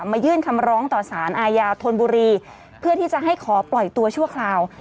ยื่นคำร้องต่อสารอาญาธนบุรีเพื่อที่จะให้ขอปล่อยตัวชั่วคราว